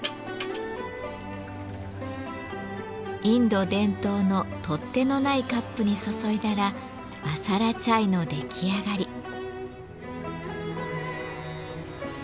インド伝統の取っ手のないカップに注いだらマサラチャイの出来上がり。